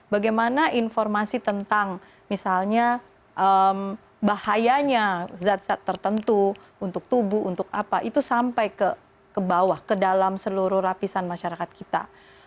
bagaimana informasi tentang misalnya bahayanya zat zat tertentu untuk tubuh untuk apa itu sampai ke bawah ke dalam seluruh lapisan masyarakat kita